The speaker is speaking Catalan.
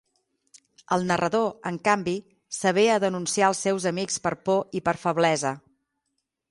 El narrador, en canvi, s'avé a denunciar els seus amics per por i per feblesa.